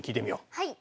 はい。